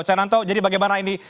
cananto jadi bagaimana ini